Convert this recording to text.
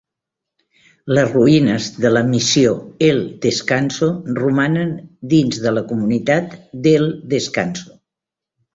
Les ruïnes de la Missió El Descanso romanen dins de la comunitat d'El Descanso.